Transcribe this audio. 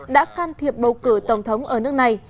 đã can thiệp bầu cử tổng thống ở nước này